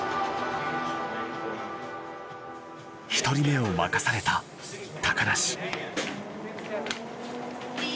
１人目を任された梨。